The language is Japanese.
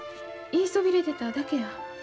言いそびれてただけや。